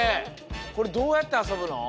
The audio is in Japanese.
これどうやってあそぶの？